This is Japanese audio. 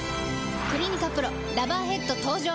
「クリニカＰＲＯラバーヘッド」登場！